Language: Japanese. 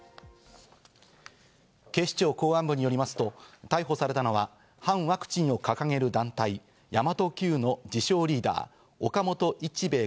警視庁公安部によりますと、逮捕されたのは反ワクチンを掲げる団体、神真都Ｑの自称リーダー・岡本一兵衛